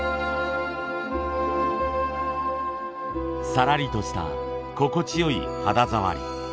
さらりとした心地よい肌触り。